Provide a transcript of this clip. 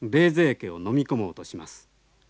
家をのみ込もうとします。